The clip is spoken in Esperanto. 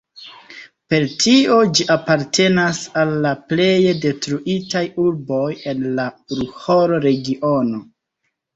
Per tio ĝi apartenas al la pleje detruitaj urboj en la Ruhr-Regiono.